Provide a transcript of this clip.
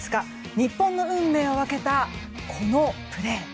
日本の運命を分けたこのプレー。